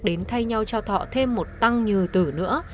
đến thay nhau cho thọ thêm một tăng như tử nữa